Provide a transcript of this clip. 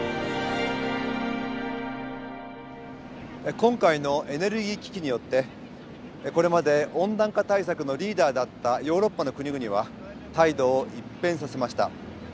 今回のエネルギー危機によってこれまで温暖化対策のリーダーだったヨーロッパの国々は態度を一変させました。